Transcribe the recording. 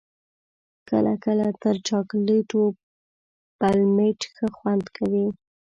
کله کله تر چاکلېټو پلمېټ ښه خوند کوي.